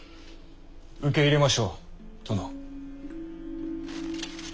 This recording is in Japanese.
受け入れましょう殿。